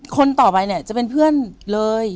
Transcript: คนต่อไปเนี่ยจะเป็นเพื่อนเลย